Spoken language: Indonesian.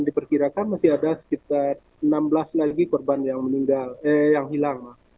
diperkirakan masih ada sekitar enam belas lagi korban yang hilang